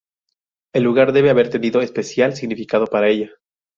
El lugar debe haber tenido especial significado para ella.